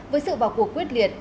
với sự vào cuộc quyết liệt